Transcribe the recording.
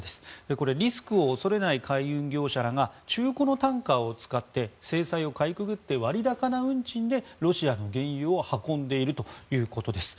これはリスクを恐れない海運業者が中古のタンカーを使って制裁をかいくぐって割高な運賃でロシアに原油を運んでいるということです。